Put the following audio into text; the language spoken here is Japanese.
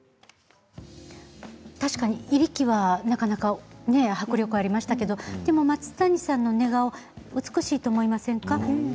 確かに、いびきはなかなか迫力がありましたけど松谷さんの寝顔、美しいと思いませんか。